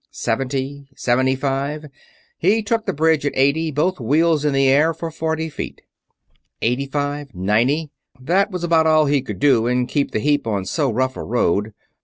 Seventy ... seventy five ... he took the bridge at eighty, both wheels in air for forty feet. Eighty five ... ninety ... that was about all he could do and keep the heap on so rough a road.